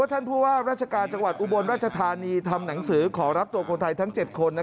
ท่านผู้ว่าราชการจังหวัดอุบลราชธานีทำหนังสือขอรับตัวคนไทยทั้ง๗คน